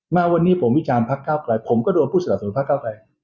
มาวันนี้ผมวิจารณพักเก้าไกลผมก็โดนผู้สนับสนุนพักเก้าไกล